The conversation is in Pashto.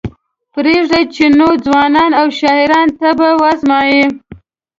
پریږدئ چې نوي ځوانان او شاعران طبع وازمایي.